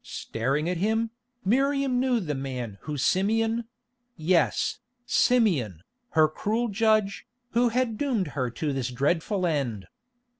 Staring at him, Miriam knew the man for Simeon—yes, Simeon, her cruel judge, who had doomed her to this dreadful end.